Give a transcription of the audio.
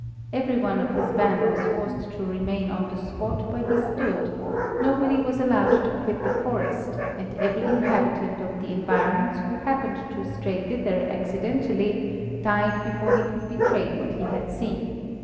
Every one of his band was forced to remain on the spot where he stood, nobody was allowed to quit the forest, and every inhabitant of the environs who happened to stray thither accidentally died before he could betray what he had seen.